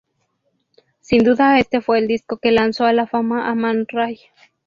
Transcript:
Sin duda este fue el disco que lanzo a la fama a Man Ray.